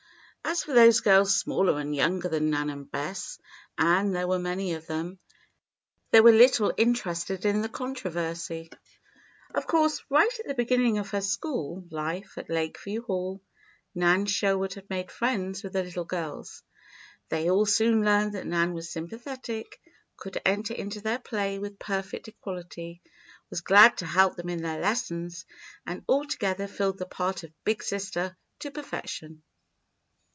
As for those girls smaller and younger than Nan and Bess (and there were many of them) they were little interested in the controversy. Of course, right at the beginning of her school life at Lakeview Hall, Nan Sherwood had made friends with the little girls. They all soon learned that Nan was sympathetic, could enter into their play with perfect equality, was glad to help them in their lessons, and altogether filled the part of "Big Sister" to perfection.